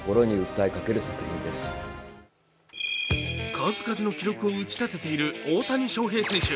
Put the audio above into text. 数々の記録を打ち立てている大谷翔平選手。